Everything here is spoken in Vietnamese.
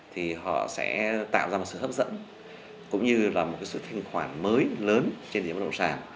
thì họ sẽ tạo ra một sự hấp dẫn cũng như là một sự thanh khoản mới lớn trên thị bất động sản